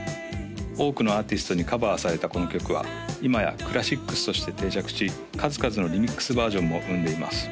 多くのアーティストにカバーされたこの曲は今やクラシックスとして定着し数々のリミックスバージョンも生んでいます